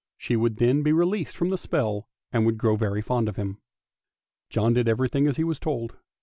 She would then be released from the spell and would grow very fond of him. John did everything as he was told.